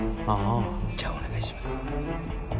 あじゃお願いします